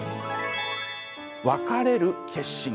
「別れる決心」。